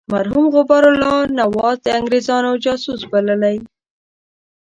مرحوم غبار الله نواز د انګرېزانو جاسوس بللی.